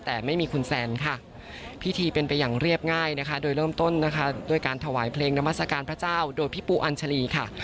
แต่ไม่มีคุณแซนค่ะพิธีเป็นไปอย่างเรียบง่ายนะคะโดยเริ่มต้นนะคะด้วยการถวายเพลงนามัศกาลพระเจ้าโดยพี่ปูอัญชาลีค่ะ